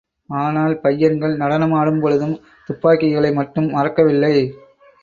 ஆனால் பையன்கள் நடனமாடும் பொழுதும் துப்பாக்கிகளை மட்டும் மறக்கவில்லை.